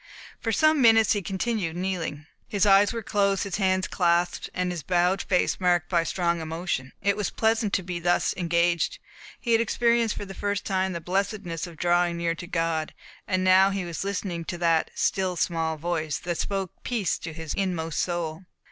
For some minutes he continued kneeling; his eyes were closed, his hands clasped, and his bowed face marked by strong emotion. It was pleasant to be thus engaged. He had experienced for the first time the blessedness of drawing near to God, and now he was listening to that "still small voice," that spoke peace to his inmost soul.